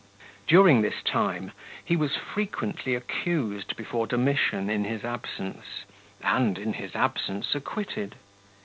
41 During this time he was frequently accused before Domitian in his absence, and in his absence acquitted.